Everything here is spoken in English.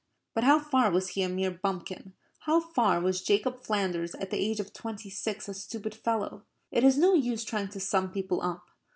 But how far was he a mere bumpkin? How far was Jacob Flanders at the age of twenty six a stupid fellow? It is no use trying to sum people up.